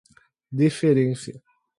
deferência